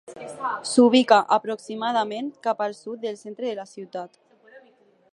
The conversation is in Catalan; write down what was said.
S'ubica aproximadament cap al sud del centre de la ciutat.